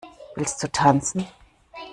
Willst du tanzen?